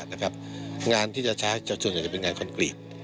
นะครับงานที่จะใช้จะจนจะเป็นงานคอนกรีต